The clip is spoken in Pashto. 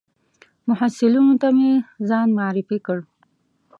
محصلینو ته مې ځان معرفي کړ.